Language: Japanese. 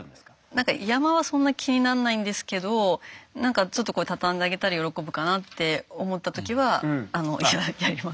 なんか山はそんな気にならないんですけどなんかちょっとたたんであげたら喜ぶかなって思った時はやります。